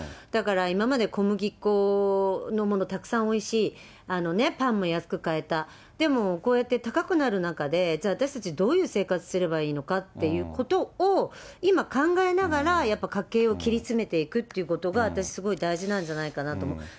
だから今まで小麦粉のもの、たくさんおいしい、パンも安く買えた、でも、こうやって高くなる中で、じゃあ、私たちどういう生活すればいいのかということを、今考えながら、やっぱり家計を切り詰めていくっていうことが、私、すごい大事なんじゃないかなと思う。